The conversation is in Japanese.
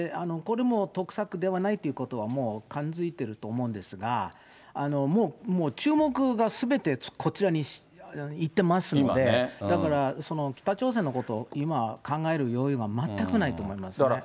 これも得策ではないということは、もう勘づいてると思うんですが、もう注目がすべてこちらにいってますので、だから、北朝鮮のことを今、考える余裕が全くないと思いますね。